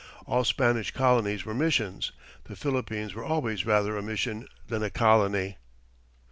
All Spanish colonies were missions; the Philippines were always rather a mission than a colony.